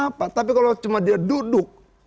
kenapa tapi kalau dia cuma duduk